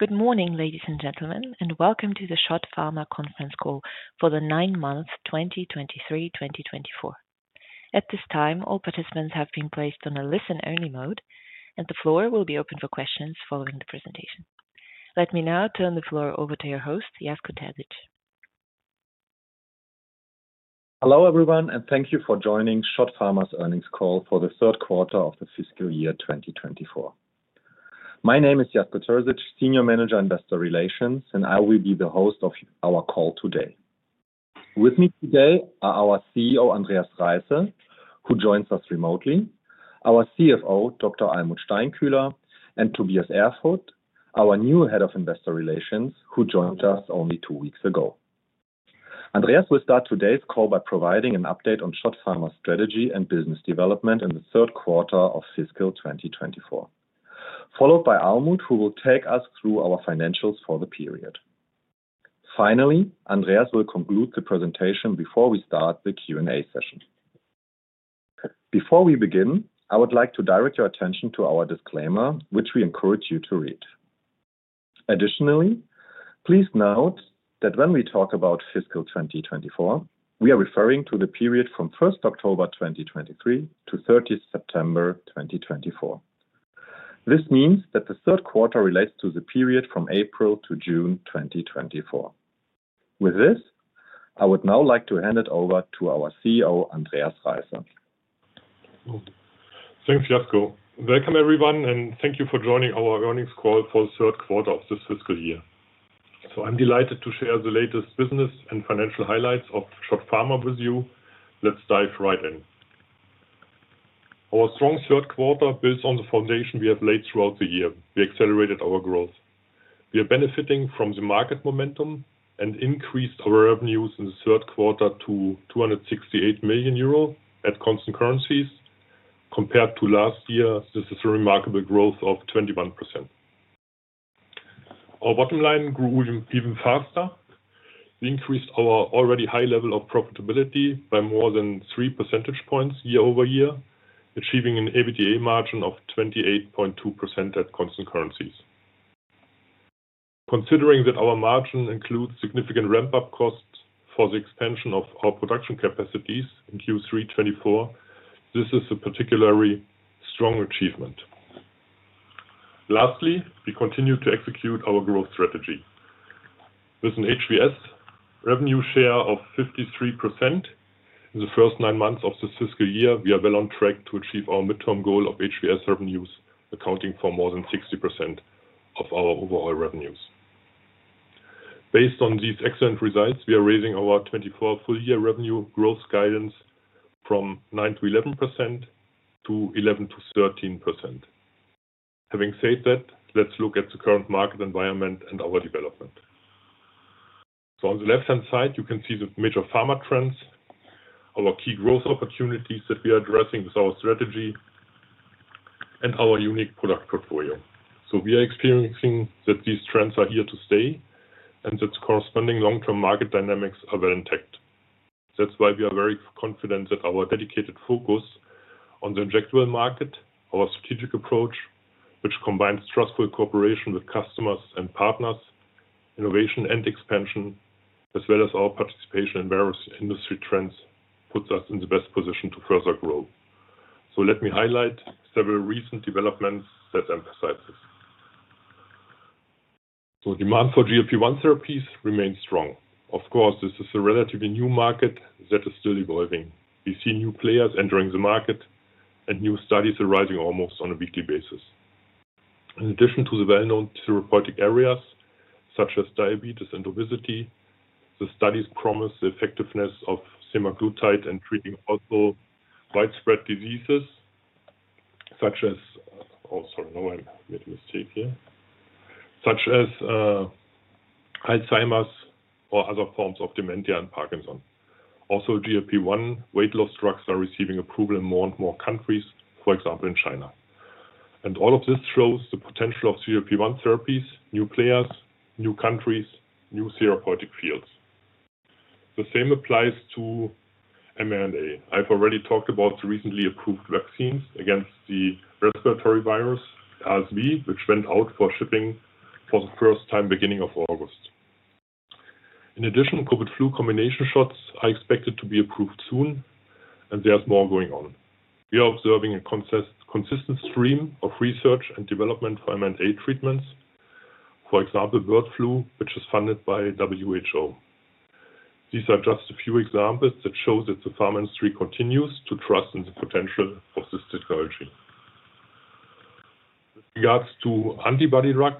Good morning, ladies and gentlemen, and welcome to the Schott Pharma conference call for the nine months, 2023 to 2024. At this time, all participants have been placed on a listen-only mode, and the floor will be open for questions following the presentation. Let me now turn the floor over to your host, Jasko Terzic. Hello, everyone, and thank you for joining Schott Pharma's earnings call for the third quarter of the fiscal year twenty twenty-four. My name is Jasko Terzic, Senior Manager, Investor Relations, and I will be the host of our call today. With me today are our CEO, Andreas Reisse, who joins us remotely, our CFO, Dr. Almuth Steinkühler, and Tobias Erfurth, our new Head of Investor Relations, who joined us only two weeks ago. Andreas will start today's call by providing an update on Schott Pharma's strategy and business development in the third quarter of fiscal twenty twenty-four, followed by Almuth, who will take us through our financials for the period. Finally, Andreas will conclude the presentation before we start the Q&A session. Before we begin, I would like to direct your attention to our disclaimer, which we encourage you to read. Additionally, please note that when we talk about fiscal 2024, we are referring to the period from 1st October 2023 to 13th September 2024. This means that the third quarter relates to the period from April to June 2024. With this, I would now like to hand it over to our CEO, Andreas Reisse. Thanks Jasko. Welcome, everyone, and thank you for joining our earnings call for the third quarter of this fiscal year. I'm delighted to share the latest business and financial highlights of Schott Pharma with you. Let's dive right in. Our strong third quarter builds on the foundation we have laid throughout the year. We accelerated our growth. We are benefiting from the market momentum and increased our revenues in the third quarter to 268 million euro at constant currencies. Compared to last year, this is a remarkable growth of 21%. Our bottom line grew even faster. We increased our already high level of profitability by more than three percentage points year-over-year, achieving an EBITDA margin of 28.2% at constant currencies. Considering that our margin includes significant ramp-up costs for the extension of our production capacities in Q3 2024, this is a particularly strong achievement. Lastly, we continue to execute our growth strategy. With an HVS revenue share of 53% in the first nine months of this fiscal year, we are well on track to achieve our midterm goal of HVS revenues, accounting for more than 60% of our overall revenues. Based on these excellent results, we are raising our 2024 full year revenue growth guidance from 9%-11% to 11%-13%. Having said that, let's look at the current market environment and our development. On the left-hand side, you can see the major pharma trends, our key growth opportunities that we are addressing with our strategy, and our unique product portfolio. We are experiencing that these trends are here to stay and that corresponding long-term market dynamics are well intact. That's why we are very confident that our dedicated focus on the injectable market, our strategic approach, which combines trustful cooperation with customers and partners, innovation and expansion, as well as our participation in various industry trends, puts us in the best position to further grow. Let me highlight several recent developments that emphasize this. Demand for GLP-1 therapies remains strong. Of course, this is a relatively new market that is still evolving. We see new players entering the market and new studies arising almost on a weekly basis. In addition to the well-known therapeutic areas such as diabetes and obesity, the studies promise the effectiveness of semaglutide in treating also widespread diseases such as... Oh, sorry, now I made a mistake here. Such as Alzheimer's or other forms of dementia and Parkinson. Also, GLP-1 weight loss drugs are receiving approval in more and more countries, for example, in China. All of this shows the potential of GLP-1 therapies, new players, new countries, new therapeutic fields. The same applies to mRNA. I've already talked about the recently approved vaccines against the respiratory virus, RSV, which went out for shipping for the first time beginning of August. In addition, COVID flu combination shots are expected to be approved soon, and there's more going on. We are observing a consistent stream of research and development for mRNA treatments, for example, bird flu, which is funded by WHO. These are just a few examples that show that the pharma industry continues to trust in the potential of this technology. With regards to antibody-drug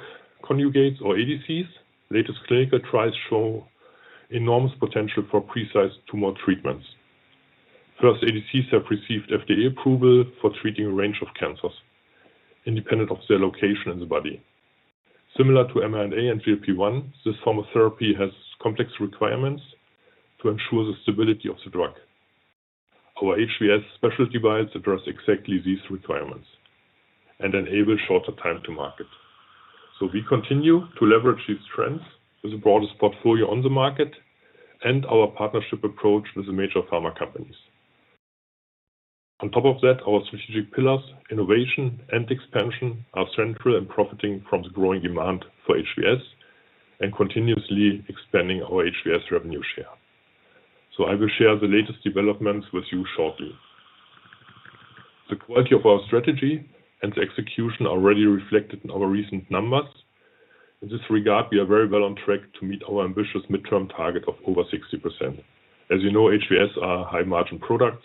conjugates or ADCs, latest clinical trials show enormous potential for precise tumor treatments. First, ADCs have received FDA approval for treating a range of cancers independent of their location in the body. Similar to mRNA and GLP-1, this form of therapy has complex requirements to ensure the stability of the drug. Our HVS specialty device addresses exactly these requirements and enable shorter time to market. So we continue to leverage these trends with the broadest portfolio on the market and our partnership approach with the major pharma companies.... On top of that, our strategic pillars, innovation and expansion, are central in profiting from the growing demand for HVS and continuously expanding our HVS revenue share. So I will share the latest developments with you shortly. The quality of our strategy and the execution are already reflected in our recent numbers. In this regard, we are very well on track to meet our ambitious midterm target of over 60%. As you know, HVS are high-margin products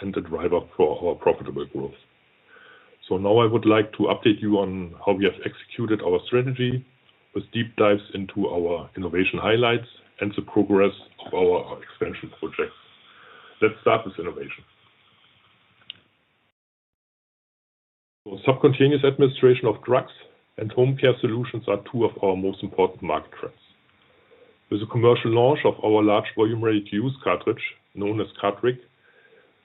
and the driver for our profitable growth. So now I would like to update you on how we have executed our strategy, with deep dives into our innovation highlights and the progress of our expansion projects. Let's start with innovation. So subcutaneous administration of drugs and home care solutions are two of our most important market trends. With the commercial launch of our large volume ready-to-use cartridge, known as cartriQ,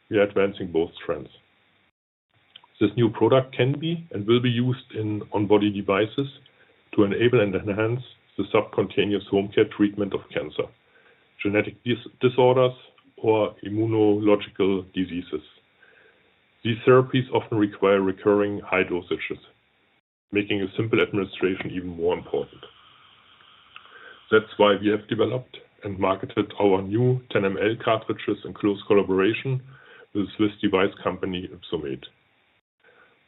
we are advancing both trends. This new product can be and will be used in on-body devices to enable and enhance the subcutaneous home care treatment of cancer, genetic disorders, or immunological diseases. These therapies often require recurring high dosages, making a simple administration even more important. That's why we have developed and marketed our new 10 ml cartridges in close collaboration with Swiss device company, Ypsomed.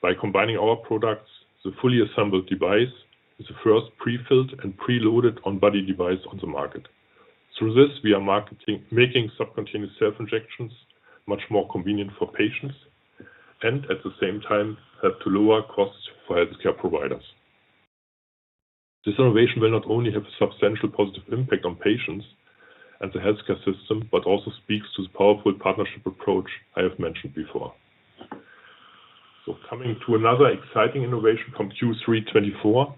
By combining our products, the fully assembled device is the first prefilled and preloaded on-body device on the market. Through this, we are making subcutaneous self-injections much more convenient for patients and at the same time, help to lower costs for healthcare providers. This innovation will not only have a substantial positive impact on patients and the healthcare system, but also speaks to the powerful partnership approach I have mentioned before. So coming to another exciting innovation from Q3 2024,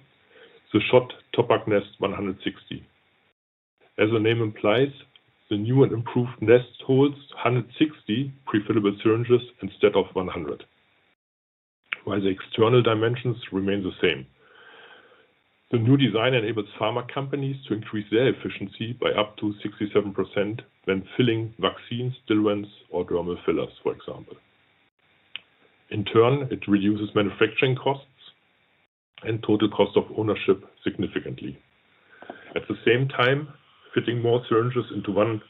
the SCHOTT TOPPAC nest 160. As the name implies, the new and improved nest holds 160 prefillable syringes instead of 100, while the external dimensions remain the same. The new design enables pharma companies to increase their efficiency by up to 67% when filling vaccines, diluents or dermal fillers, for example. In turn, it reduces manufacturing costs and total cost of ownership significantly. At the same time, fitting more syringes into one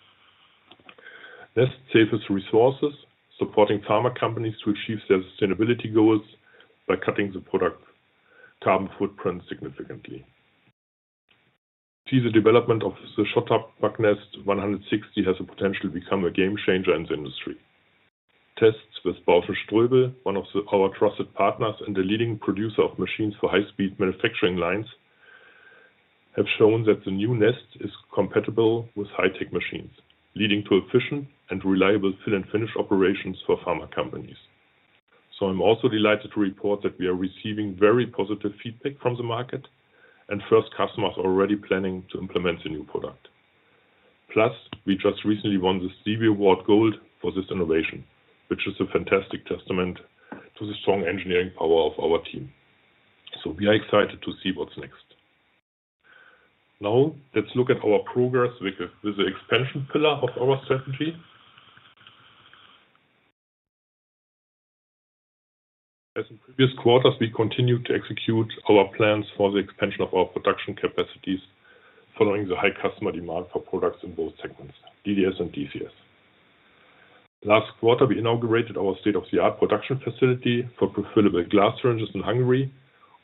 nest saves resources, supporting pharma companies to achieve their sustainability goals by cutting the product carbon footprint significantly. See, the development of the SCHOTT TOPPAC nest 160 has the potential to become a game changer in the industry. Tests with Bausch+Ströbel, one of our trusted partners and a leading producer of machines for high-speed manufacturing lines, have shown that the new nest is compatible with high-tech machines, leading to efficient and reliable fill and finish operations for pharma companies. I'm also delighted to report that we are receiving very positive feedback from the market, and first customers are already planning to implement the new product. Plus, we just recently won the Stevie Award Gold for this innovation, which is a fantastic testament to the strong engineering power of our team. We are excited to see what's next. Now, let's look at our progress with the expansion pillar of our strategy. As in previous quarters, we continue to execute our plans for the expansion of our production capacities, following the high customer demand for products in both segments, DDS and DCS. Last quarter, we inaugurated our state-of-the-art production facility for prefillable glass syringes in Hungary.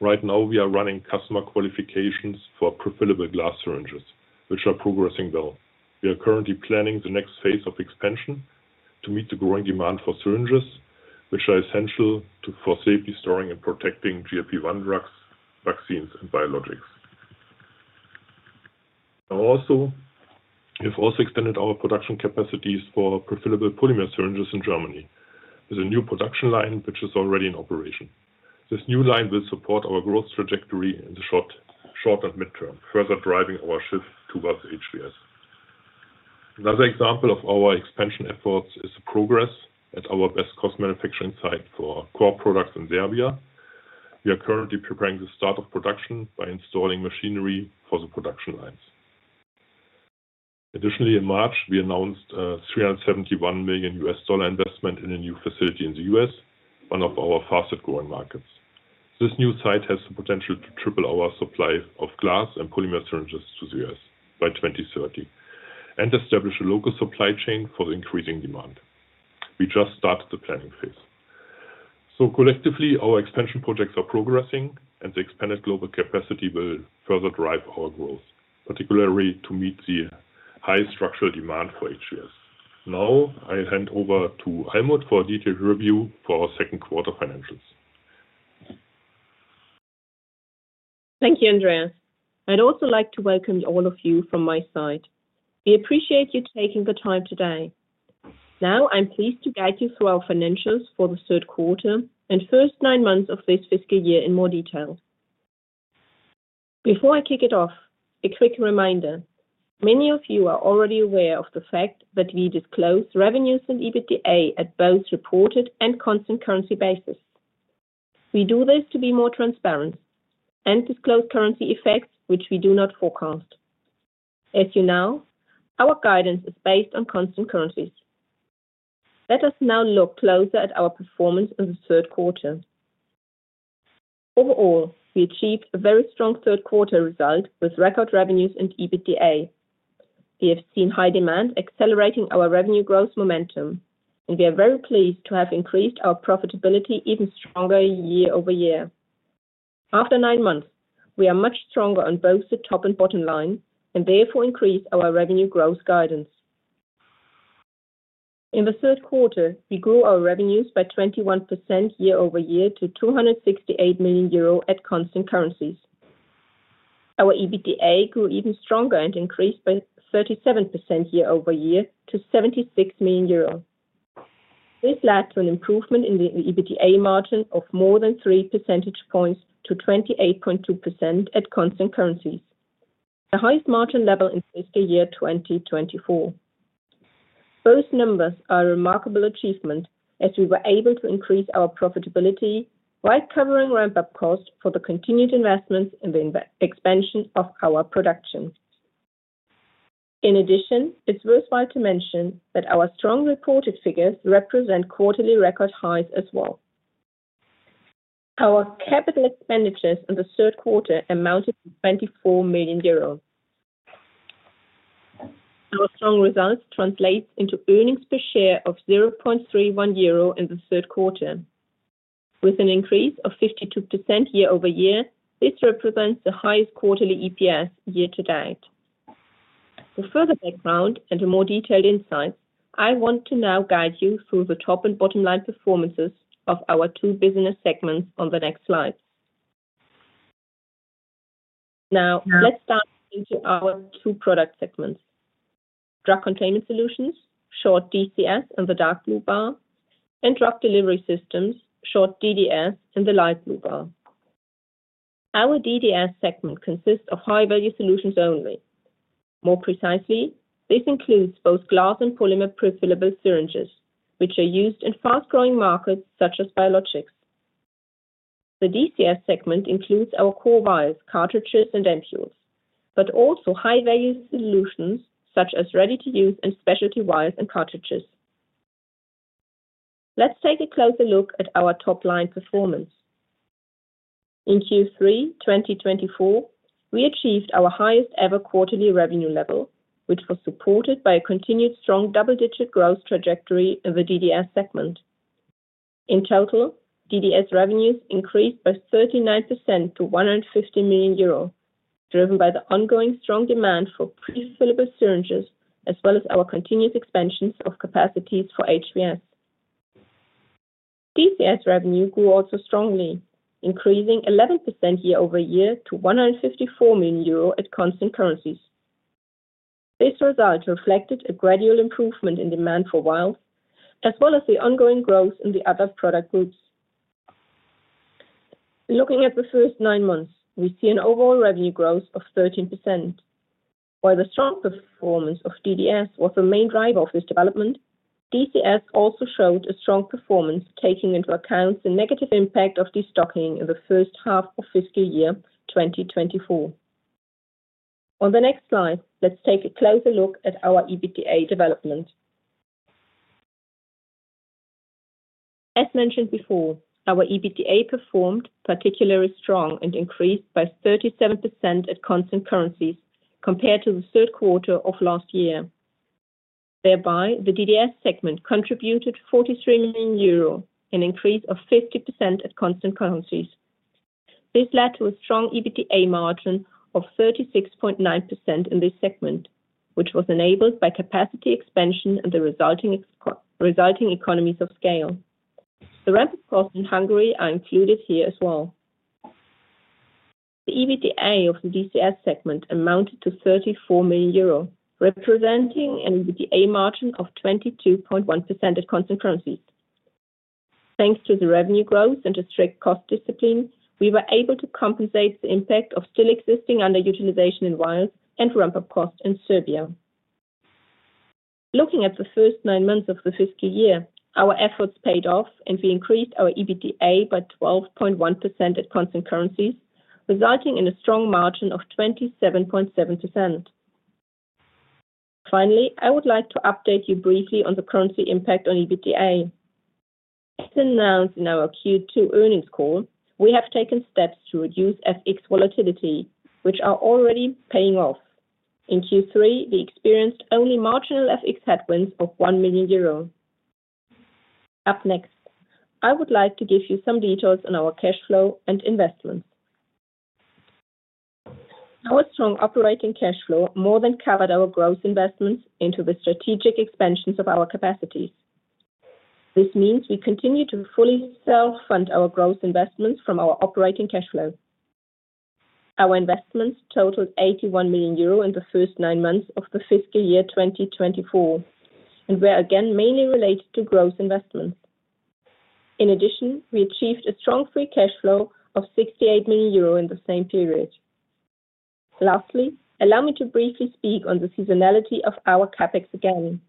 Right now, we are running customer qualifications for prefillable glass syringes, which are progressing well. We are currently planning the next phase of expansion to meet the growing demand for syringes, which are essential for safely storing and protecting GLP-1 drugs, vaccines, and biologics. We've also extended our production capacities for prefillable polymer syringes in Germany, with a new production line, which is already in operation. This new line will support our growth trajectory in the short and midterm, further driving our shift towards HVS. Another example of our expansion efforts is the progress at our best cost manufacturing site for core products in Serbia. We are currently preparing the start of production by installing machinery for the production lines. Additionally, in March, we announced a $371 million investment in a new facility in the U.S., one of our fastest-growing markets. This new site has the potential to triple our supply of glass and polymer syringes to the U.S. by 2030, and establish a local supply chain for the increasing demand. We just started the planning phase. So collectively, our expansion projects are progressing, and the expanded global capacity will further drive our growth, particularly to meet the high structural demand for HVS. Now, I hand over to Almuth for a detailed review for our second quarter financials. Thank you, Andreas. I'd also like to welcome all of you from my side. We appreciate you taking the time today. Now, I'm pleased to guide you through our financials for the third quarter and first nine months of this fiscal year in more detail. Before I kick it off, a quick reminder. Many of you are already aware of the fact that we disclose revenues and EBITDA at both reported and constant currency basis. We do this to be more transparent and disclose currency effects, which we do not forecast. As you know, our guidance is based on constant currencies. Let us now look closer at our performance in the third quarter. Overall, we achieved a very strong third quarter result, with record revenues and EBITDA. We have seen high demand accelerating our revenue growth momentum, and we are very pleased to have increased our profitability even stronger year-over-year. After nine months, we are much stronger on both the top and bottom line, and therefore increase our revenue growth guidance. In the third quarter, we grew our revenues by 21% year-over-year to 268 million euro at constant currencies. Our EBITDA grew even stronger and increased by 37% year-over-year to 76 million euros. This led to an improvement in the EBITDA margin of more than three percentage points to 28.2% at constant currencies, the highest margin level in fiscal year 2024. Those numbers are a remarkable achievement, as we were able to increase our profitability while covering ramp-up costs for the continued investments in the expansion of our production. In addition, it's worthwhile to mention that our strong reported figures represent quarterly record highs as well. Our capital expenditures in the third quarter amounted to 24 million euros. Our strong results translates into earnings per share of 0.31 euro in the third quarter. With an increase of 52% year-over-year, this represents the highest quarterly EPS year to date. For further background and a more detailed insight, I want to now guide you through the top and bottom line performances of our two business segments on the next slide. Now, let's dive into our two product segments. Drug Container Solutions, short DCS, in the dark blue bar, and Drug Delivery Systems, short DDS, in the light blue bar. Our DDS segment consists of high-value solutions only. More precisely, this includes both glass and polymer prefillable syringes, which are used in fast-growing markets such as biologics. The DCS segment includes our core vials, cartridges, and ampoules, but also high-value solutions such as ready-to-use and specialty vials and cartridges. Let's take a closer look at our top-line performance. In Q3 2024, we achieved our highest ever quarterly revenue level, which was supported by a continued strong double-digit growth trajectory in the DDS segment. In total, DDS revenues increased by 39% to 150 million euros, driven by the ongoing strong demand for prefillable syringes, as well as our continuous expansions of capacities for HVS. DCS revenue grew also strongly, increasing 11% year-over-year to 154 million euro at constant currencies. This result reflected a gradual improvement in demand for vials, as well as the ongoing growth in the other product groups. Looking at the first nine months, we see an overall revenue growth of 13%. While the strong performance of DDS was the main driver of this development, DCS also showed a strong performance, taking into account the negative impact of destocking in the first half of fiscal year 2024. On the next slide, let's take a closer look at our EBITDA development. As mentioned before, our EBITDA performed particularly strong and increased by 37% at constant currencies compared to the third quarter of last year. Thereby, the DDS segment contributed 43 million euro, an increase of 50% at constant currencies. This led to a strong EBITDA margin of 36.9% in this segment, which was enabled by capacity expansion and the resulting economies of scale. The ramp-up costs in Hungary are included here as well. The EBITDA of the DCS segment amounted to 34 million euro, representing an EBITDA margin of 22.1% at constant currencies. Thanks to the revenue growth and a strict cost discipline, we were able to compensate the impact of still existing underutilization in vials and ramp-up costs in Serbia. Looking at the first nine months of the fiscal year, our efforts paid off, and we increased our EBITDA by 12.1% at constant currencies, resulting in a strong margin of 27.7%. Finally, I would like to update you briefly on the currency impact on EBITDA. As announced in our Q2 earnings call, we have taken steps to reduce FX volatility, which are already paying off. In Q3, we experienced only marginal FX headwinds of 1 million euro. Up next, I would like to give you some details on our cash flow and investments. Our strong operating cash flow more than covered our growth investments into the strategic expansions of our capacities. This means we continue to fully self-fund our growth investments from our operating cash flow. Our investments totaled 81 million euro in the first nine months of the fiscal year 2024, and were again mainly related to growth investments. In addition, we achieved a strong free cash flow of 68 million euro in the same period. Lastly, allow me to briefly speak on the seasonality of our CapEx again.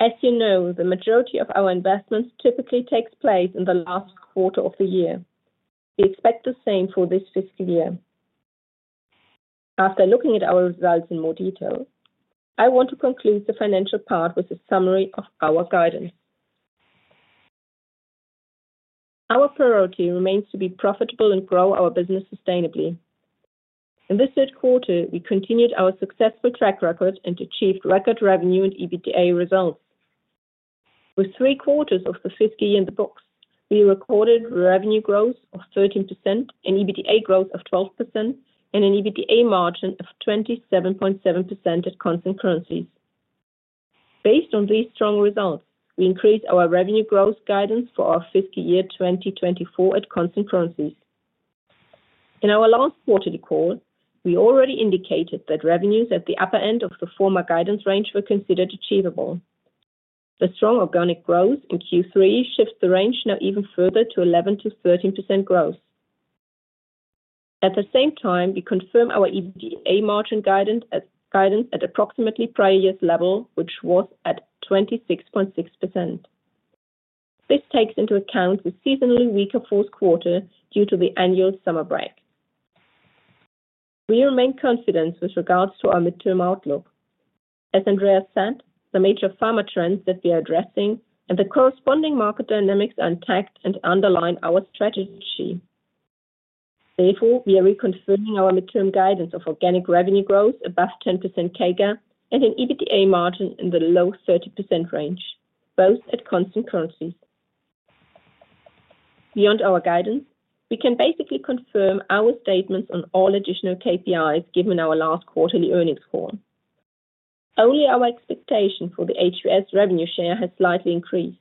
As you know, the majority of our investments typically takes place in the last quarter of the year. We expect the same for this fiscal year. After looking at our results in more detail, I want to conclude the financial part with a summary of our guidance. Our priority remains to be profitable and grow our business sustainably. In this third quarter, we continued our successful track record and achieved record revenue and EBITDA results. With three quarters of the fiscal year in the books, we recorded revenue growth of 13% and EBITDA growth of 12%, and an EBITDA margin of 27.7% at constant currencies. Based on these strong results, we increased our revenue growth guidance for our fiscal year 2024 at constant currencies. In our last quarterly call, we already indicated that revenues at the upper end of the former guidance range were considered achievable. The strong organic growth in Q3 shifts the range now even further to 11%-13% growth. At the same time, we confirm our EBITDA margin guidance at approximately prior year's level, which was at 26.6%. This takes into account the seasonally weaker fourth quarter due to the annual summer break. We remain confident with regards to our midterm outlook. As Andreas said, the major pharma trends that we are addressing and the corresponding market dynamics are intact and underline our strategy. Therefore, we are reconfirming our midterm guidance of organic revenue growth above 10% CAGR and an EBITDA margin in the low 30% range, both at constant currencies. Beyond our guidance, we can basically confirm our statements on all additional KPIs given our last quarterly earnings call. Only our expectation for the HVS revenue share has slightly increased.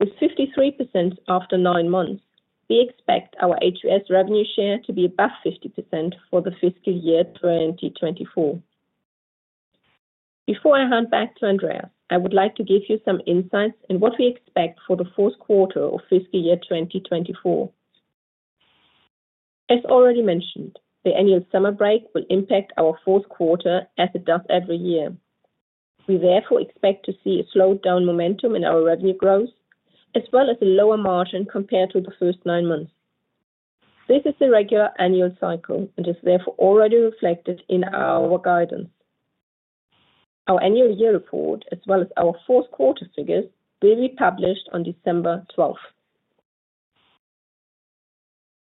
With 53% after nine months, we expect our HVS revenue share to be above 50% for the fiscal year 2024. Before I hand back to Andreas, I would like to give you some insights in what we expect for the fourth quarter of fiscal year 2024. As already mentioned, the annual summer break will impact our fourth quarter as it does every year. We therefore expect to see a slowed down momentum in our revenue growth, as well as a lower margin compared to the first nine months. This is the regular annual cycle and is therefore already reflected in our guidance. Our annual report, as well as our fourth quarter figures, will be published on December twelfth.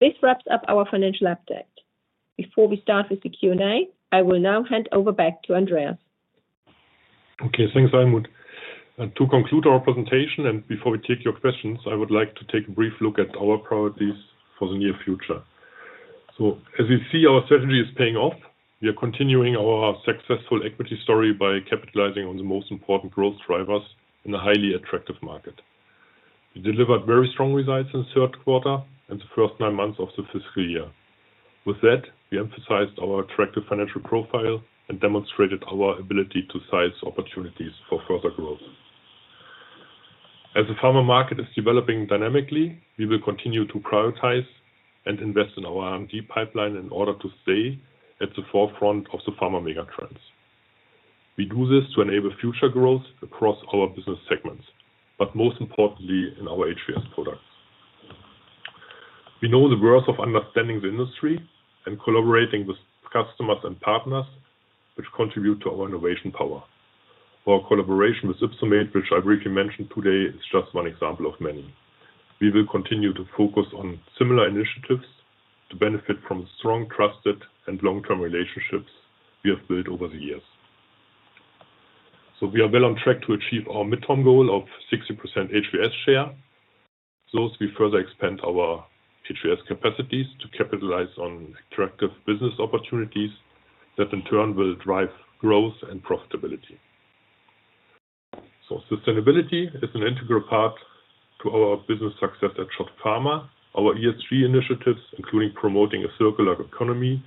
This wraps up our financial update. Before we start with the Q&A, I will now hand over back to Andreas. Okay, thanks, Almuth. To conclude our presentation and before we take your questions, I would like to take a brief look at our priorities for the near future. So as you see, our strategy is paying off. We are continuing our successful equity story by capitalizing on the most important growth drivers in a highly attractive market. We delivered very strong results in the third quarter and the first nine months of the fiscal year. With that, we emphasized our attractive financial profile and demonstrated our ability to size opportunities for further growth. As the pharma market is developing dynamically, we will continue to prioritize and invest in our R&D pipeline in order to stay at the forefront of the pharma mega trends. We do this to enable future growth across our business segments, but most importantly in our HVS products. We know the worth of understanding the industry and collaborating with customers and partners, which contribute to our innovation power. Our collaboration with Ypsomed, which I briefly mentioned today, is just one example of many. We will continue to focus on similar initiatives to benefit from strong, trusted, and long-term relationships we have built over the years, so we are well on track to achieve our mid-term goal of 60% HVS share. Thus, we further expand our HVS capacities to capitalize on attractive business opportunities that in turn will drive growth and profitability, so sustainability is an integral part of our business success at Schott Pharma. Our ESG initiatives, including promoting a circular economy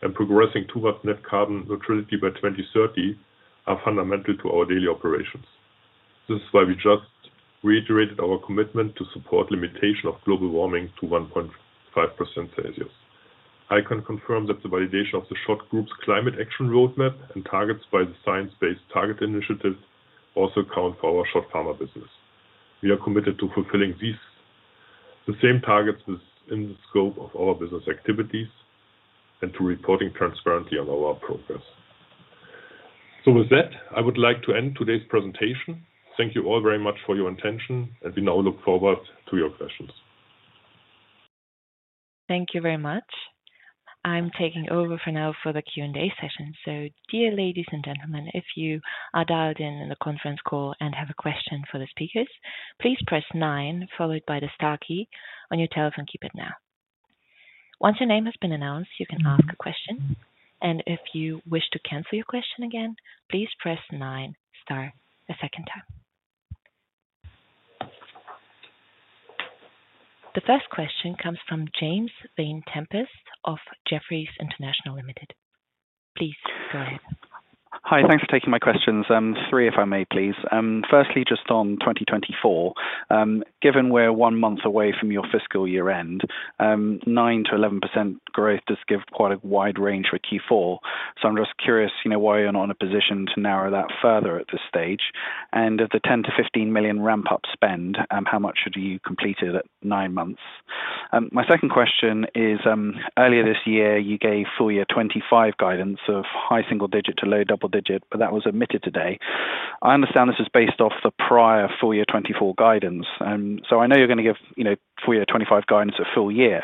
and progressing towards net carbon neutrality by 2030, are fundamental to our daily operations. This is why we just reiterated our commitment to support limitation of global warming to 1.5 degrees Celsius. I can confirm that the validation of the Schott Group's climate action roadmap and targets by the Science Based Targets initiative also count for our Schott Pharma business. We are committed to fulfilling these, the same targets as in the scope of our business activities and to reporting transparently on our progress. So with that, I would like to end today's presentation. Thank you all very much for your attention, and we now look forward to your questions. Thank you very much. I'm taking over for now for the Q&A session. So dear ladies and gentlemen, if you are dialed in on the conference call and have a question for the speakers, please press nine, followed by the star key on your telephone keypad now. Once your name has been announced, you can ask a question, and if you wish to cancel your question again, please press nine, star a second time. The first question comes from James Vane-Tempest of Jefferies International Limited... Please go ahead. Hi, thanks for taking my questions. Three, if I may please. Firstly, just on 2024, given we're one month away from your fiscal year end, 9%-11% growth does give quite a wide range for Q4. So I'm just curious, you know, why you're not in a position to narrow that further at this stage. And of the 10-15 million ramp-up spend, how much have you completed at nine months? My second question is, earlier this year, you gave full year 2025 guidance of high single digit to low double digit, but that was omitted today. I understand this is based off the prior full year 2024 guidance. So I know you're going to give, you know, full year 2025 guidance a full year.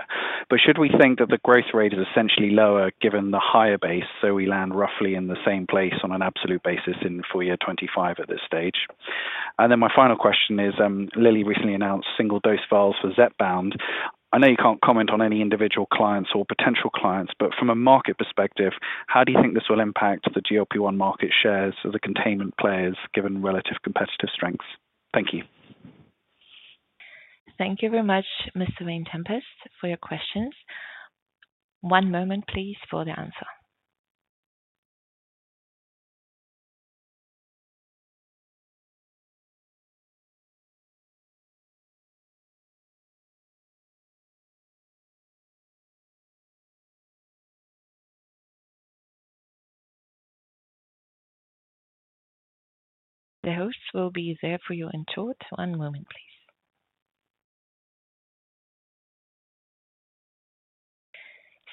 But should we think that the growth rate is essentially lower given the higher base, so we land roughly in the same place on an absolute basis in full year 2025 at this stage? And then my final question is, Lilly recently announced single-dose vials for Zepbound. I know you can't comment on any individual clients or potential clients, but from a market perspective, how do you think this will impact the GLP-1 market shares or the containment players, given relative competitive strengths? Thank you. Thank you very much, Mr. Vane-Tempest, for your questions. One moment, please, for the answer. The hosts will be there for you in short. One moment,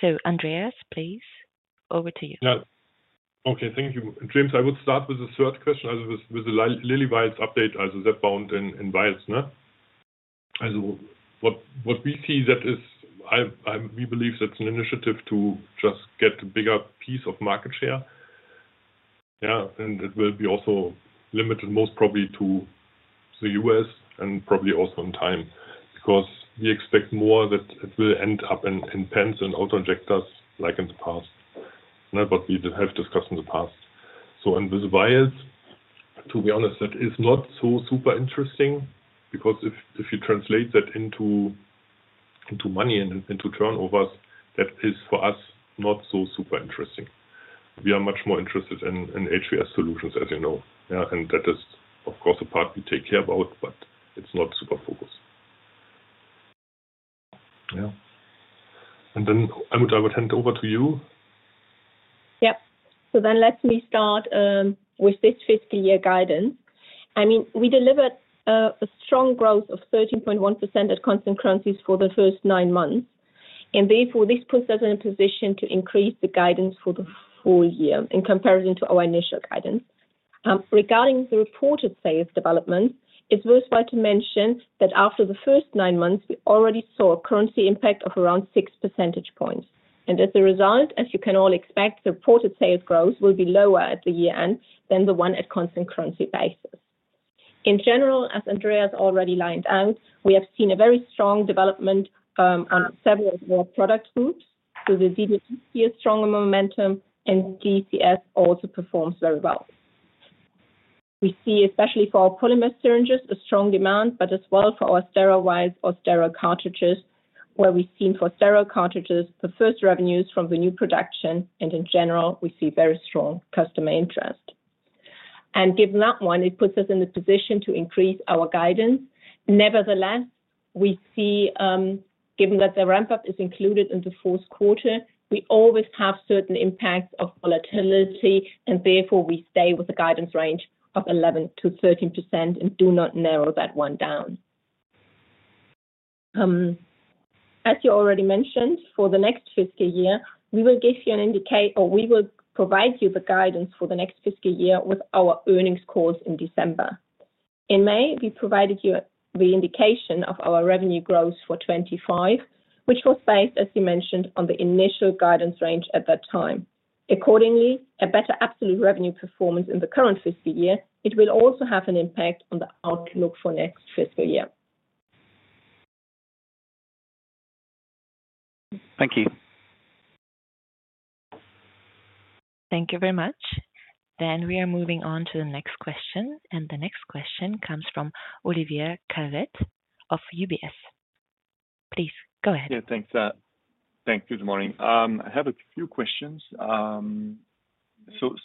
please. Andreas, please, over to you. Yeah. Okay, thank you. James, I would start with the third question, as with the Lilly vials update, as Zepbound and vials. So what we see is we believe that's an initiative to just get a bigger piece of market share. Yeah, and it will be also limited, most probably to the U.S. and probably also in time, because we expect more that it will end up in pens and auto injectors like in the past. Now, what we have discussed in the past. And with the vials, to be honest, that is not so super interesting, because if you translate that into money and into turnovers, that is, for us, not so super interesting. We are much more interested in HVS solutions, as you know. Yeah, and that is, of course, the part we take care about, but it's not super focused. Yeah. And then, Almuth, I would hand over to you. Yep. So then let me start with this FY guidance. I mean, we delivered a strong growth of 13.1% at constant currencies for the first nine months, and therefore, this puts us in a position to increase the guidance for the full year in comparison to our initial guidance. Regarding the reported sales development, it's worthwhile to mention that after the first nine months, we already saw a currency impact of around six percentage points. And as a result, as you can all expect, the reported sales growth will be lower at the year-end than the one at constant currency basis. In general, as Andreas already laid out, we have seen a very strong development on several of our product groups. The DDS sees a stronger momentum, and DCS also performs very well. We see, especially for our polymer syringes, a strong demand, but as well for our sterile vials or sterile cartridges, where we've seen for sterile cartridges, the first revenues from the new production, and in general, we see very strong customer interest. Given that one, it puts us in the position to increase our guidance. Nevertheless, we see, given that the ramp-up is included in the fourth quarter, we always have certain impacts of volatility, and therefore we stay with the guidance range of 11%-13% and do not narrow that one down. As you already mentioned, for the next fiscal year, we will give you an indication, or we will provide you the guidance for the next fiscal year with our earnings call in December. In May, we provided you the indication of our revenue growth for 2025, which was based, as you mentioned, on the initial guidance range at that time. Accordingly, a better absolute revenue performance in the current fiscal year, it will also have an impact on the outlook for next fiscal year. Thank you. Thank you very much. Then we are moving on to the next question, and the next question comes from Olivier Calvet of UBS. Please, go ahead. Yeah, thanks, thank you. Good morning. I have a few questions.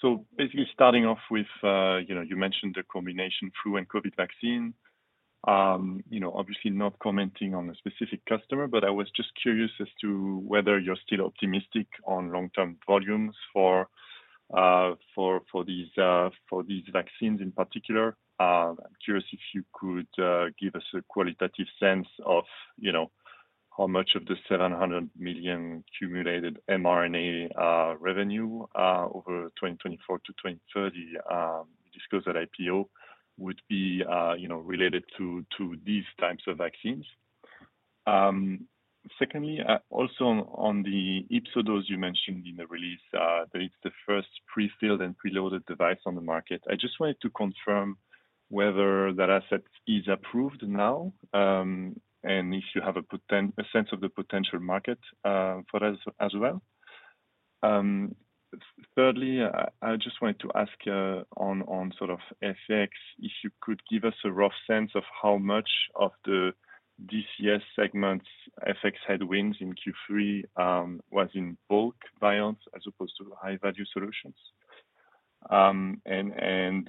So basically starting off with, you know, you mentioned the combination flu and COVID vaccine. You know, obviously not commenting on a specific customer, but I was just curious as to whether you're still optimistic on long-term volumes for these vaccines in particular. I'm curious if you could give us a qualitative sense of, you know, how much of the 700 million cumulated mRNA revenue over 2024 to 2030 discussed at IPO would be, you know, related to these types of vaccines? Secondly, also on the Ypsomed you mentioned in the release that it's the first prefilled and preloaded device on the market. I just wanted to confirm whether that asset is approved now, and if you have a sense of the potential market for us as well. Thirdly, I just wanted to ask on sort of FX, if you could give us a rough sense of how much of the DCS segments FX headwinds in Q3 was in bulk vials as opposed to high-value solutions. And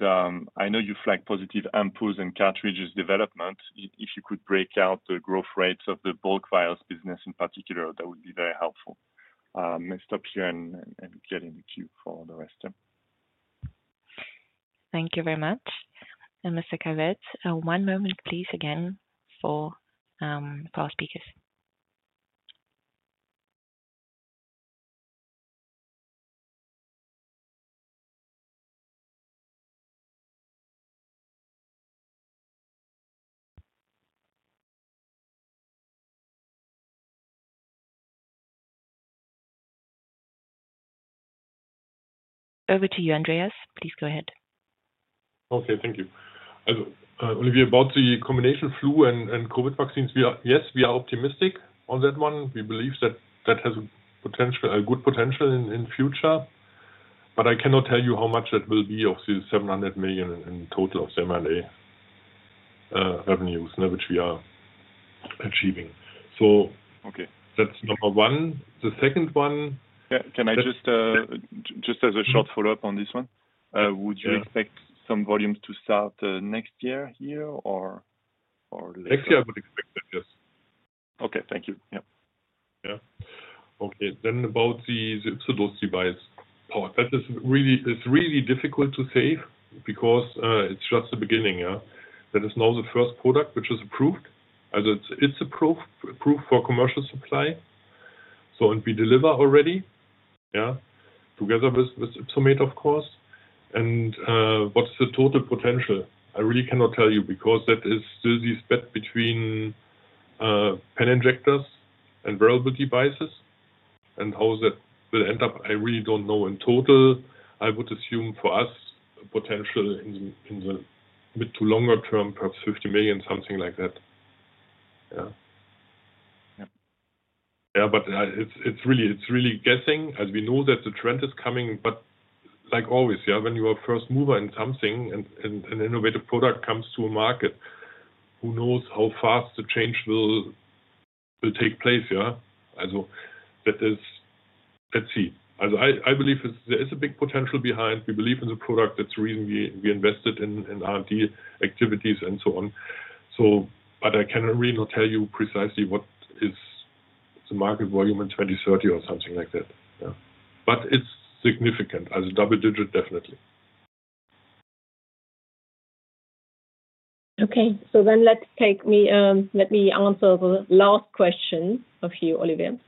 I know you flagged positive ampoules and cartridges development. If you could break out the growth rates of the bulk vials business in particular, that would be very helpful. I stop here and get in the queue for the rest, yeah. Thank you very much, Mr. Calvet. One moment please again, for our speakers. Over to you, Andreas. Please go ahead. Okay, thank you. Olivier, about the combination flu and COVID vaccines, we are. Yes, we are optimistic on that one. We believe that that has potential, a good potential in future, but I cannot tell you how much that will be of the 700 million in total of mRNA revenues now, which we are achieving. Okay, that's number one. The second one- Yeah, can I just as a short follow-up on this one? Yeah. Would you expect some volumes to start next year here or later? Next year, I would expect that, yes. Okay, thank you. Yep. Yeah. Okay, then about the Ypsomed part. That is really—it's really difficult to say because it's just the beginning, yeah. That is now the first product which is approved, and it's approved for commercial supply. So we deliver already, yeah, together with Ypsomed, of course. And what's the total potential? I really cannot tell you, because that is still this bet between pen injectors and wearable devices, and how that will end up, I really don't know. In total, I would assume for us, potentially in the mid- to longer term, perhaps €50 million, something like that. Yeah. Yeah. Yeah, but it's really guessing, as we know that the trend is coming, but like always, yeah, when you are first mover in something and innovative product comes to a market, who knows how fast the change will take place, yeah? And so that is, let's see. I believe there is a big potential behind. We believe in the product. That's the reason we invested in R&D activities and so on. So, but I cannot really not tell you precisely what is the market volume in 2030 or something like that, yeah. But it's significant, as double digit, definitely. Okay. So then let me answer the last question of you, Olivier.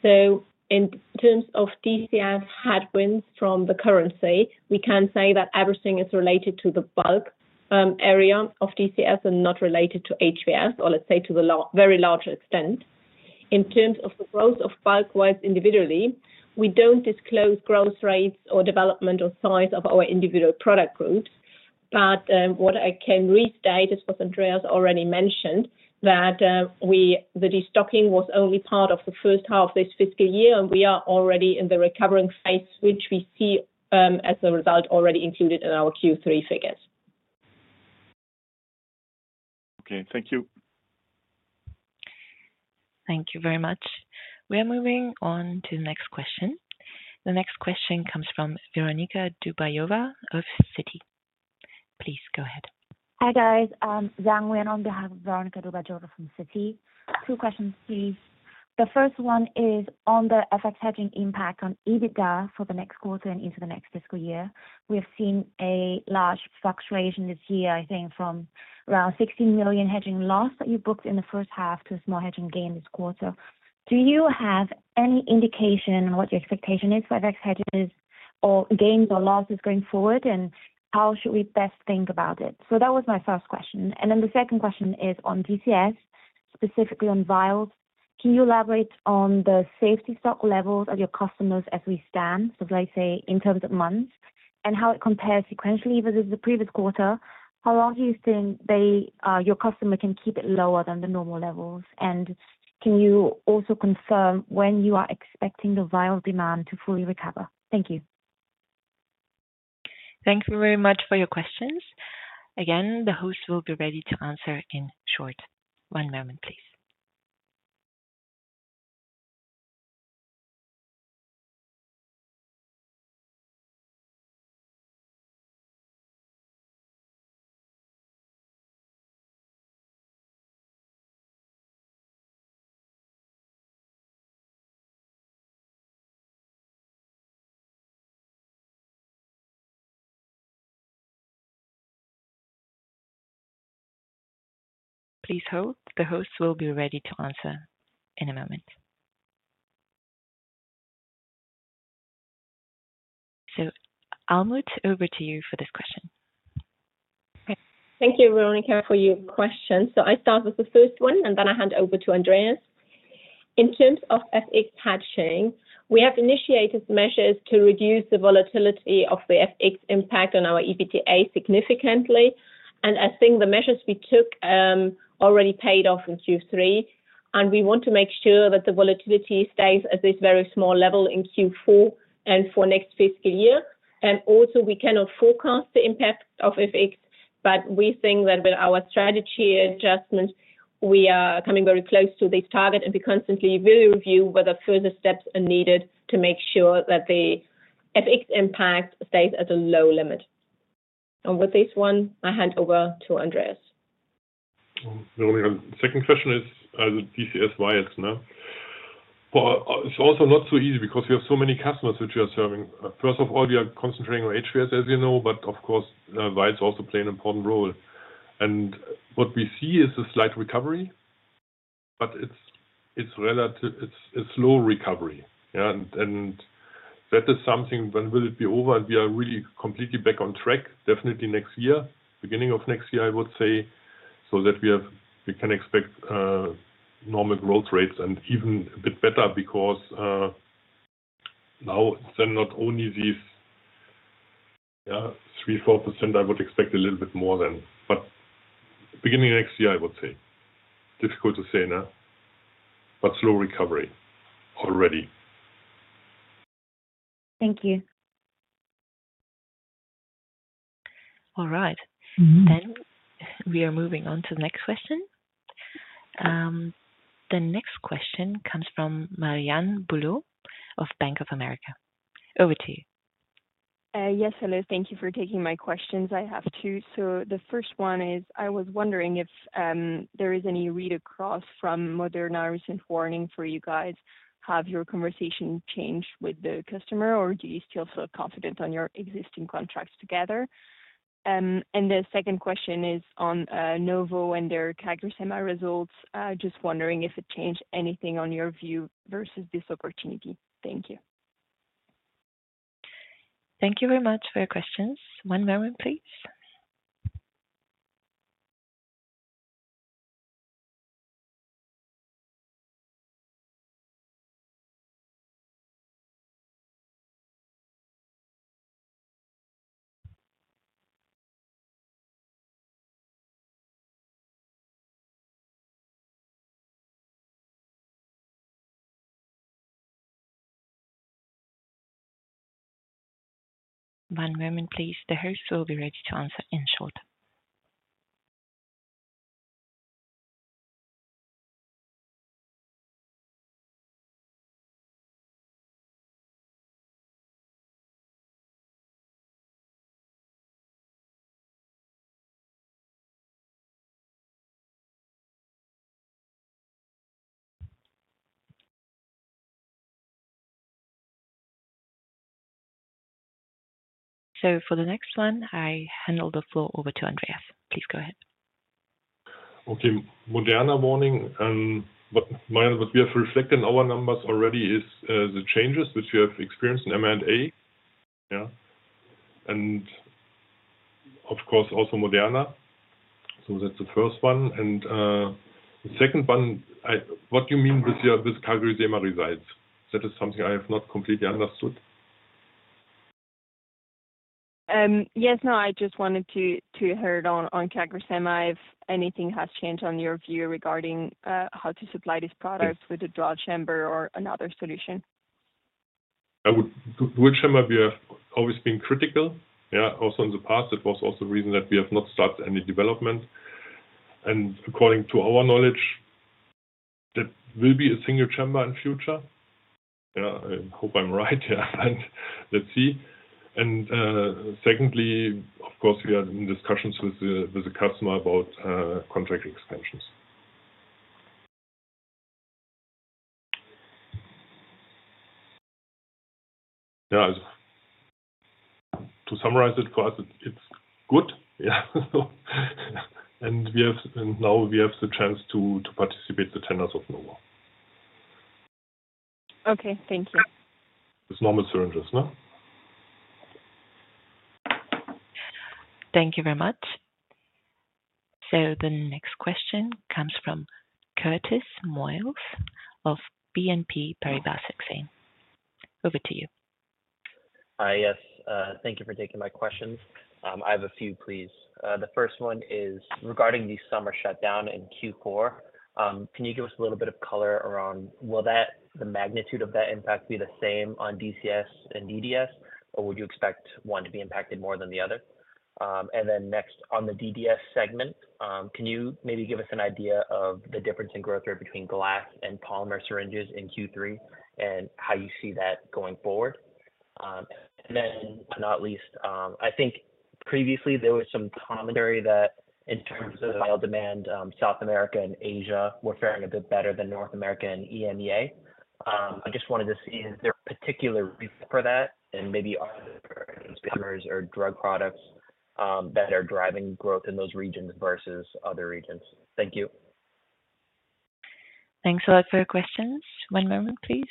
So in terms of DCS headwinds from the currency, we can say that everything is related to the bulk area of DCS and not related to HVS, or let's say, to the very large extent. In terms of the growth of bulk wise individually, we don't disclose growth rates or development or size of our individual product groups. But what I can restate, as Andreas already mentioned, that we, the restocking was only part of the first half of this fiscal year, and we are already in the recovering phase, which we see as a result already included in our Q3 figures. Okay, thank you. Thank you very much. We are moving on to the next question. The next question comes from Veronika Dubajova of Citi. Please go ahead. Hi, guys. Zhang Wei, on behalf of Veronika Dubajova from Citi. Two questions, please. The first one is on the FX hedging impact on EBITDA for the next quarter and into the next fiscal year. We have seen a large fluctuation this year, I think from around 16 million hedging loss that you booked in the first half to a small hedging gain this quarter. Do you have any indication on what your expectation is for FX hedges or gains or losses going forward, and how should we best think about it? So that was my first question. And then the second question is on DCS, specifically on vials. Can you elaborate on the safety stock levels of your customers as we stand, so let's say, in terms of months, and how it compares sequentially versus the previous quarter? How long do you think they, your customer can keep it lower than the normal levels? And can you also confirm when you are expecting the vial demand to fully recover? Thank you. Thank you very much for your questions. Again, the host will be ready to answer in short. One moment, please. Please hold. The host will be ready to answer in a moment. So, Almuth, over to you for this question. Thank you, Veronika, for your question. So I start with the first one, and then I hand over to Andreas. In terms of FX hedging, we have initiated measures to reduce the volatility of the FX impact on our EBITDA significantly, and I think the measures we took already paid off in Q3.... And we want to make sure that the volatility stays at this very small level in Q4 and for next fiscal year. And also, we cannot forecast the impact of FX, but we think that with our strategy adjustment, we are coming very close to this target, and we constantly will review whether further steps are needed to make sure that the FX impact stays at a low limit. And with this one, I hand over to Andreas. The only second question is, DCS wise, no? But it's also not so easy because we have so many customers which we are serving. First of all, we are concentrating on HVS, as you know, but of course, Y is also play an important role. What we see is a slight recovery, but it's relative. It's a slow recovery, yeah. That is something: when will it be over, and we are really completely back on track? Definitely next year. Beginning of next year, I would say, so we can expect normal growth rates and even a bit better because now then not only these 3-4%, I would expect a little bit more than. Beginning of next year, I would say. Difficult to say now, but slow recovery already. Thank you. All right. Mm-hmm. Then we are moving on to the next question. The next question comes from Marianne Bulot of Bank of America. Over to you. Yes, hello. Thank you for taking my questions. I have two. So the first one is, I was wondering if there is any read across from Moderna's recent warning for you guys. Have your conversations changed with the customer, or do you still feel confident on your existing contracts together? And the second question is on Novo and their Q3 sema results. Just wondering if it changed anything on your view versus this opportunity. Thank you. Thank you very much for your questions. One moment, please. One moment, please. The host will be ready to answer in short. So for the next one, I hand the floor over to Andreas. Please go ahead. Okay. Moderna warning, but Marianne, what we have reflected in our numbers already is the changes which we have experienced in M&A, yeah, and of course, also Moderna. So that's the first one and the second one, what do you mean with your category semaglutide results? That is something I have not completely understood. Yes, no, I just wanted to hear on semaglutide, if anything has changed on your view regarding how to supply this product with a dual chamber or another solution? Dual chamber, we have always been critical. Yeah, also in the past, that was also the reason that we have not started any development. According to our knowledge, that will be a single chamber in future. Yeah, I hope I'm right, yeah, and let's see. Secondly, of course, we are in discussions with the customer about contract extensions. Yeah, to summarize it, for us, it's good. Yeah, so, and now we have the chance to participate the tenders of Novo. Okay, thank you. It's normal syringes, no? Thank you very much. So the next question comes from Curtis Moyes of BNP Paribas Exane. Over to you. Yes, thank you for taking my questions. I have a few, please. The first one is regarding the summer shutdown in Q4. Can you give us a little bit of color around the magnitude of that impact be the same on DCS and DDS, or would you expect one to be impacted more than the other? And then next on the DDS segment, can you maybe give us an idea of the difference in growth rate between glass and polymer syringes in Q3 and how you see that going forward? And then not least, I think previously there was some commentary that in terms of vial demand, South America and Asia were faring a bit better than North America and EMEA. I just wanted to see is there a particular reason for that, and maybe are there customers or drug products, that are driving growth in those regions versus other regions? Thank you. Thanks a lot for your questions. One moment, please.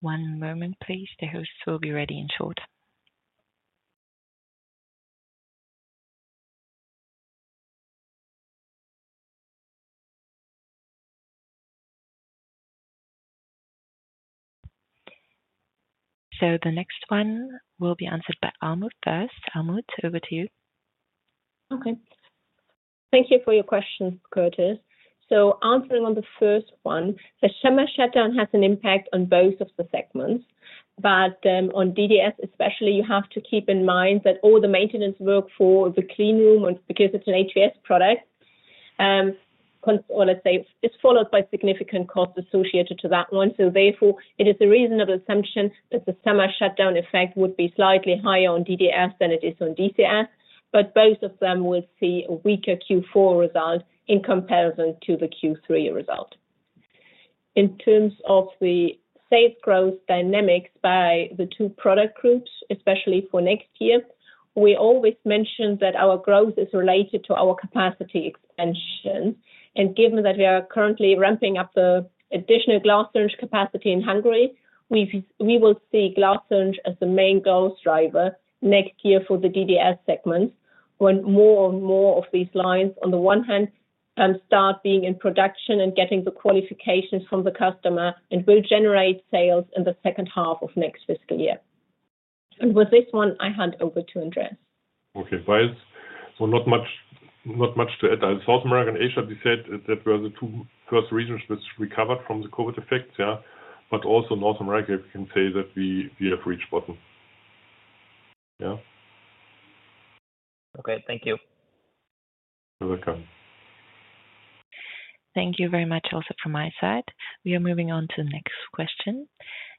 One moment, please. The hosts will be ready in short. So the next one will be answered by Almuth first. Almuth, over to you. Okay. Thank you for your question, Curtis. So answering on the first one, the summer shutdown has an impact on both of the segments, but on DDS especially, you have to keep in mind that all the maintenance work for the clean room, and because it's an HVS product, well, let's say, it's followed by significant costs associated to that one. So therefore, it is a reasonable assumption that the summer shutdown effect would be slightly higher on DDS than it is on DCS, but both of them will see a weaker Q4 result in comparison to the Q3 result. In terms of the HVS growth dynamics by the two product groups, especially for next year, we always mention that our growth is related to our capacity expansion. Given that we are currently ramping up the additional glass range capacity in Hungary, we will see glass range as the main growth driver next year for the DDS segment, when more and more of these lines, on the one hand, start being in production and getting the qualifications from the customer and will generate sales in the second half of next fiscal year. With this one, I hand over to Andreas. Okay, well, so not much, not much to add. South America and Asia, we said that were the two first regions that's recovered from the COVID effects, yeah? But also in North America, we can say that we have reached bottom. Yeah. Okay, thank you. You're welcome. Thank you very much also from my side. We are moving on to the next question.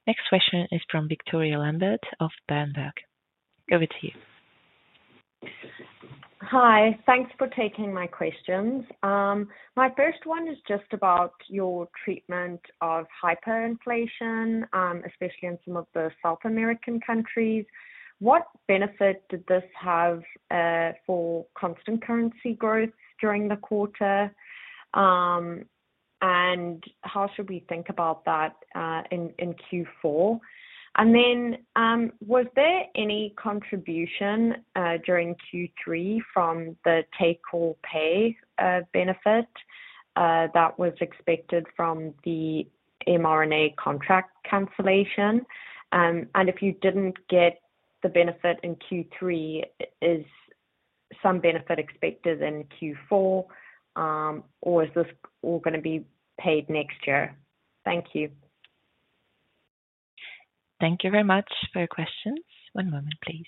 Next question is from Victoria Lambert of Berenberg. Over to you. Hi, thanks for taking my questions. My first one is just about your treatment of hyperinflation, especially in some of the South American countries. What benefit did this have for constant currency growth during the quarter? And how should we think about that in Q4? And then, was there any contribution during Q3 from the take-or-pay benefit that was expected from the mRNA contract cancellation? And if you didn't get the benefit in Q3, is some benefit expected in Q4, or is this all gonna be paid next year? Thank you. Thank you very much for your questions. One moment, please.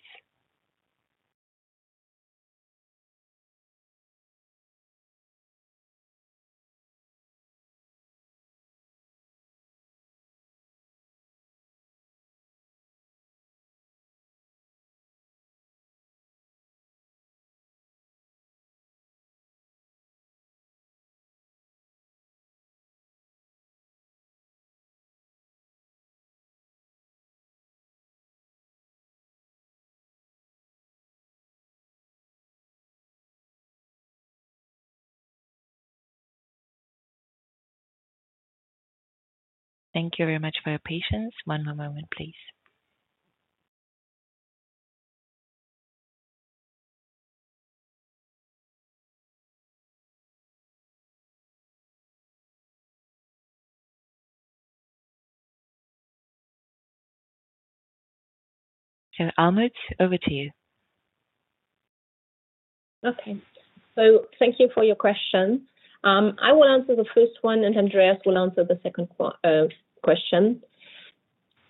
Thank you very much for your patience. One more moment, please, and Almuth, over to you. Okay. Thank you for your question. I will answer the first one, and Andreas will answer the second question.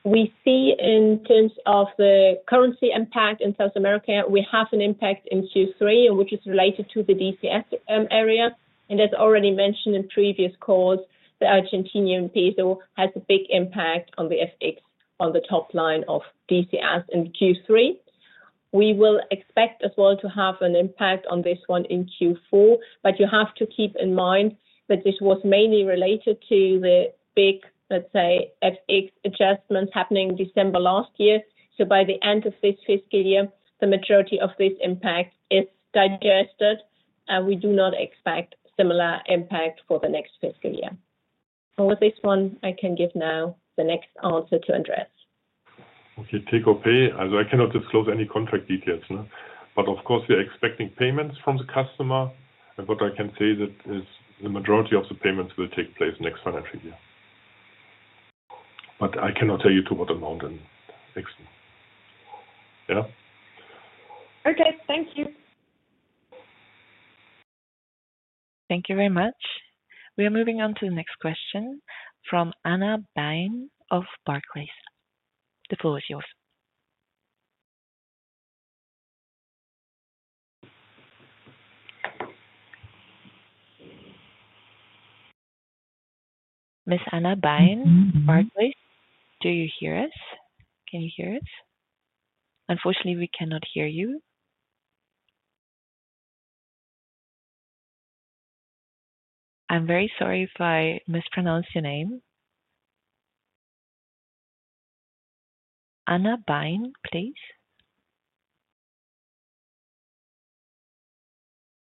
We see in terms of the currency impact in South America, we have an impact in Q3, which is related to the DCS area, and as already mentioned in previous calls, the Argentine peso has a big impact on the FX on the top line of DCS in Q3. We will expect as well to have an impact on this one in Q4, but you have to keep in mind that this was mainly related to the big, let's say, FX adjustments happening December last year. By the end of this fiscal year, the majority of this impact is digested, and we do not expect similar impact for the next fiscal year. For this one, I can give now the next answer to Andreas. Okay, take-or-pay, as I cannot disclose any contract details, but of course, we are expecting payments from the customer. But what I can say that is the majority of the payments will take place next financial year. But I cannot tell you to what amount in next, yeah? Okay. Thank you. Thank you very much. We are moving on to the next question from Anna Bain of Barclays. The floor is yours. Ms. Anna Bain, Barclays, do you hear us? Can you hear us? Unfortunately, we cannot hear you. I'm very sorry if I mispronounced your name. Anna Bain, please.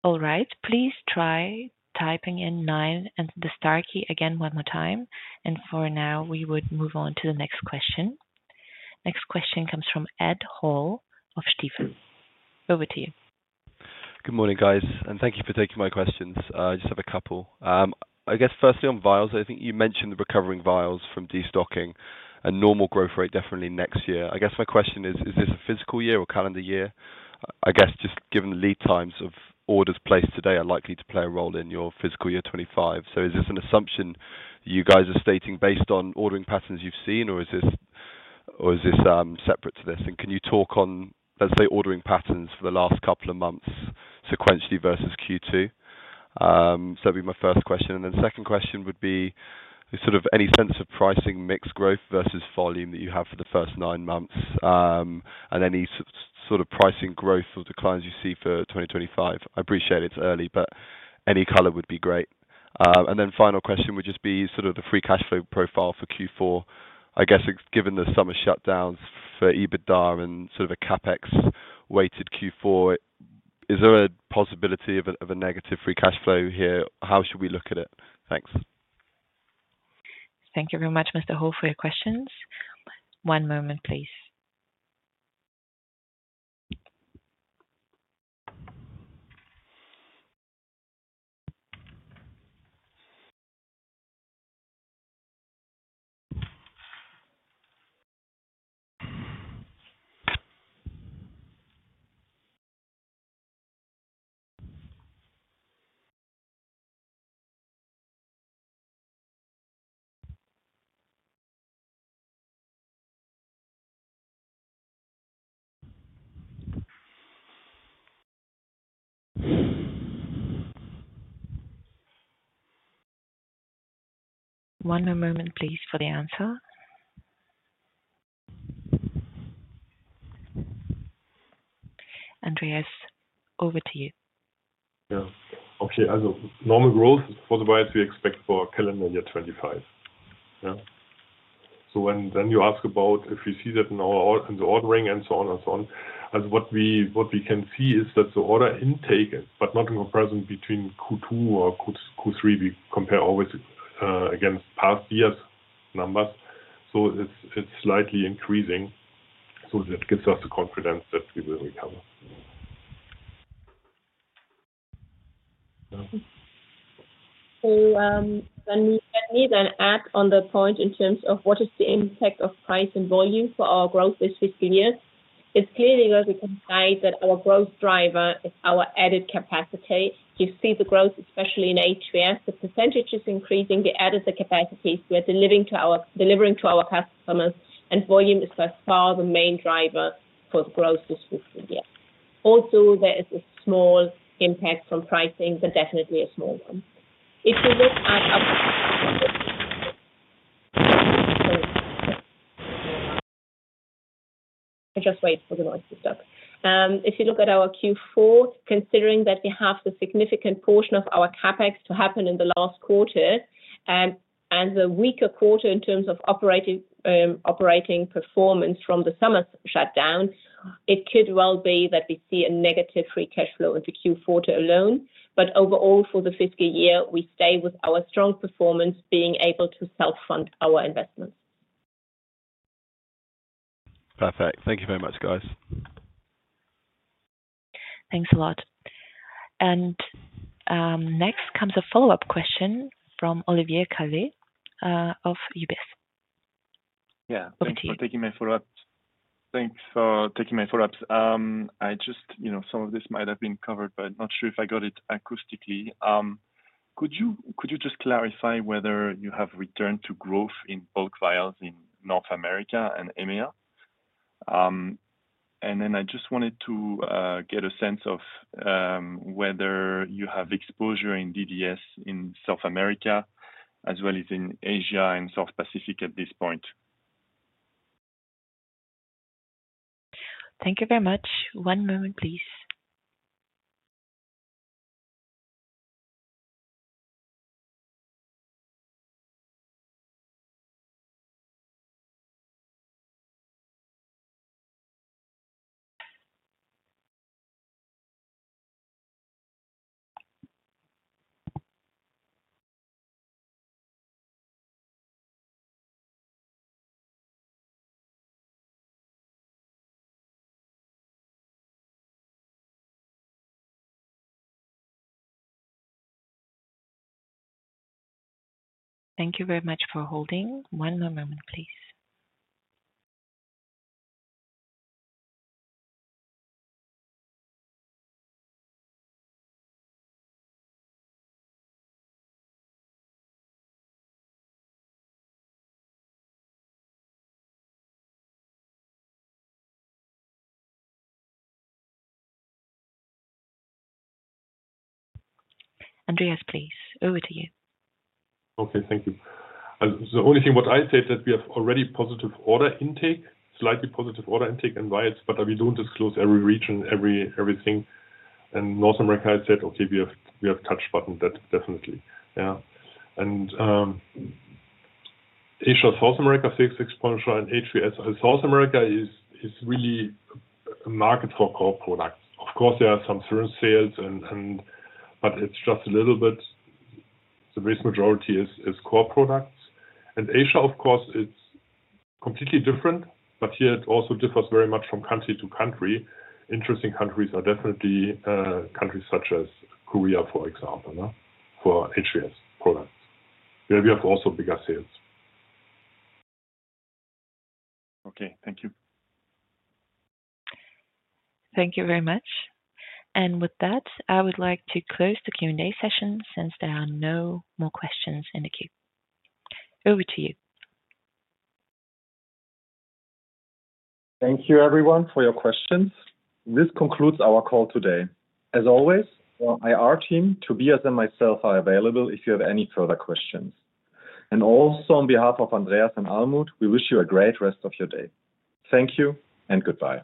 All right, please try typing in nine and the star key again one more time, and for now, we would move on to the next question. Next question comes from Ed Hall of Stifel. Over to you. Good morning, guys, and thank you for taking my questions. I just have a couple. I guess firstly on vials, I think you mentioned recovering vials from destocking and normal growth rate definitely next year. I guess my question is, is this a fiscal year or calendar year? I guess just given the lead times of orders placed today are likely to play a role in your fiscal year 2025. So is this an assumption you guys are stating based on ordering patterns you've seen, or is this separate to this? And can you talk on, let's say, ordering patterns for the last couple of months, sequentially versus Q2? So that'd be my first question. And then the second question would be, sort of, any sense of pricing, mix growth versus volume that you have for the first nine months, and any sort of pricing growth or declines you see for twenty twenty-five? I appreciate it's early, but any color would be great. And then final question would just be sort of the free cash flow profile for Q4. I guess, given the summer shutdowns for EBITDA and sort of a CapEx-weighted Q4, is there a possibility of a negative free cash flow here? How should we look at it? Thanks. Thank you very much, Mr. Hall, for your questions. One moment, please. One more moment, please, for the answer. Andreas, over to you. Yeah. Okay, as normal growth for the HVS, we expect for calendar year 2025. Yeah. So when then you ask about if you see that in our or in the ordering and so on and so on, as what we can see is that the order intake, but not in the percentage between Q2 or Q3, we compare always against past years' numbers, so it's slightly increasing, so that gives us the confidence that we will recover. So, let me then add on the point in terms of what is the impact of price and volume for our growth this fiscal year. It's clearly, as we can say, that our growth driver is our added capacity. You see the growth, especially in HVS. The percentage is increasing, the added capacities we are delivering to our customers, and volume is by far the main driver for the growth this fiscal year. Also, there is a small impact from pricing, but definitely a small one. If you look at our - I just wait for the noise to stop. If you look at our Q4, considering that we have the significant portion of our CapEx to happen in the last quarter and the weaker quarter in terms of operating performance from the summer shutdown, it could well be that we see a negative free cash flow into Q4 alone. But overall, for the fiscal year, we stay with our strong performance, being able to self-fund our investments. Perfect. Thank you very much, guys. Thanks a lot, and next comes a follow-up question from Olivier Calvet of UBS. Yeah. Over to you. Thanks for taking my follow-up. I just, you know, some of this might have been covered, but not sure if I got it acoustically. Could you just clarify whether you have returned to growth in both vials in North America and EMEA? And then I just wanted to get a sense of whether you have exposure in DDS, in South America, as well as in Asia and South Pacific at this point. Thank you very much. One moment, please. Thank you very much for holding. One more moment, please. Andreas, please, over to you. Okay, thank you. The only thing what I said, that we have already positive order intake, slightly positive order intake and vials, but we don't disclose every region, everything, and North America, I said, okay, we have touchpoint. That definitely, yeah, Asia, South America, DDS exposure and HVS. South America is really a market for core products. Of course, there are some certain sales and but it's just a little bit, the vast majority is core products, and Asia, of course, it's completely different, but yet it also differs very much from country to country. Interesting countries are definitely countries such as Korea, for example, for HVS products, where we have also bigger sales. Okay. Thank you. Thank you very much. With that, I would like to close the Q&A session, since there are no more questions in the queue. Over to you. Thank you, everyone, for your questions. This concludes our call today. As always, our IR team, Tobias and myself, are available if you have any further questions. And also on behalf of Andreas and Almuth, we wish you a great rest of your day. Thank you and goodbye.